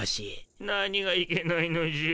何がいけないのじゃ。